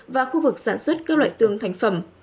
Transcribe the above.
và khu vực sản xuất các loại tương thành phẩm